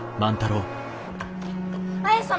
綾様！